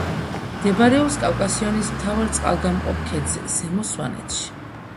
მდებარეობს კავკასიონის მთავარ წყალგამყოფ ქედზე, ზემო სვანეთში.